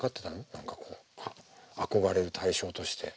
何かこう憧れる対象として。